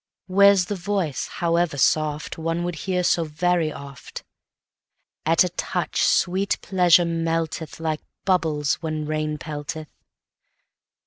Where's the voice, however soft, One would hear so very oft? At a touch sweet Pleasure meltethLike to bubbles when rain pelteth.